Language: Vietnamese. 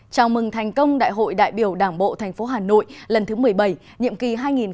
chào mừng thành công đại hội đại biểu đảng bộ tp hà nội lần thứ một mươi bảy nhiệm kỳ hai nghìn hai mươi hai nghìn hai mươi năm